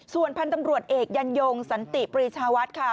ส่วนพันธุ์ตำรวจเอกยันยงสันติปรีชาวัฒน์ค่ะ